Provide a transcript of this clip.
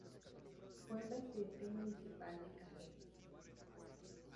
Fue Presidente Municipal de Cajeme.